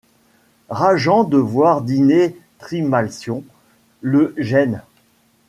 Rageant de voir dîner Trimalcion, le gêne.